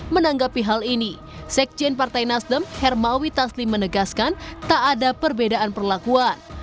menanggapi hal ini sekjen partai nasdem hermawi taslim menegaskan tak ada perbedaan perlakuan